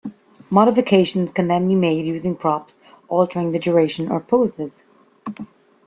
Modifications can then be made using props, altering the duration or poses.